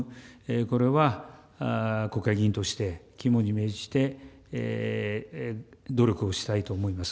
これは国会議員として肝に銘じて努力をしたいと思います。